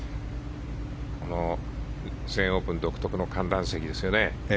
全英オープン独特の観覧席ですよね。